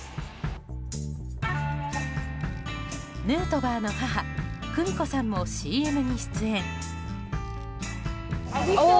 ヌートバーの母・久美子さんもＣＭに出演。